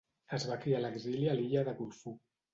Es va criar a l'exili a l'illa de Corfú.